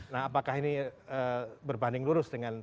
nah apakah ini berbanding lurus dengan